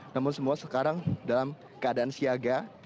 namun semua sekarang dalam keadaan siaga